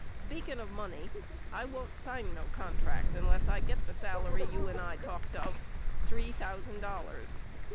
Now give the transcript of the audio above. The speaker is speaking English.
Speaking of money I won't sign no contract unless I get the salary you and I talked of, three thousand dollars.